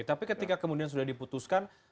tapi ketika kemudian sudah diputuskan